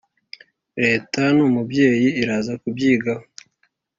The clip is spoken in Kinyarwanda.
Leta numubyeyi iraza kubyigaho